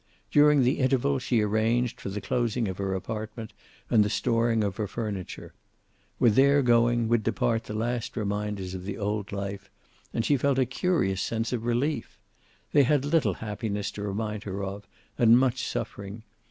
During the interval she arranged for the closing of her apartment and the storing of her furniture. With their going would depart the last reminders of the old life, and she felt a curious sense of relief. They had little happiness to remind her of, and much suffering.